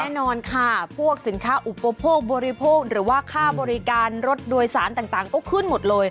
แน่นอนค่ะพวกสินค้าอุปโภคบริโภคหรือว่าค่าบริการรถโดยสารต่างก็ขึ้นหมดเลย